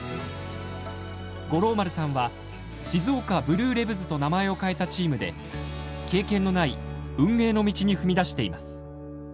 五郎丸さんは静岡ブルーレヴズと名前を変えたチームで経験のない運営の道に踏み出しています。